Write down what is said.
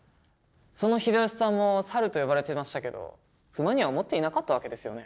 その秀吉さんもサルと呼ばれていましたけど不満には思っていなかったわけですよね？